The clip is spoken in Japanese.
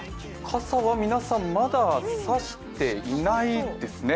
傘は皆さんまだ差していないですね。